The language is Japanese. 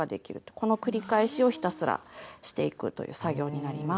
この繰り返しをひたすらしていくという作業になります。